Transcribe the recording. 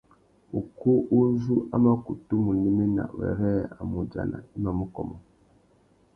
Ukú u zú a mà kutu mù néména wêrê a mù udjana i mà mù kômô.